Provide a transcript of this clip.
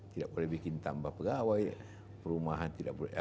tidak boleh bikin tambah pegawai